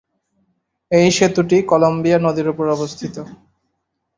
এই সেতুটি কলাম্বিয়া নদীর উপর অবস্থিত।